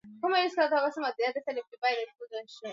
Vijana kisiwani Pemba waimeomba Serikali kuwasaidia mambo mbalimbali